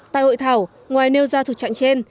tại hội thảo ngoài nêu ra thực trạng trên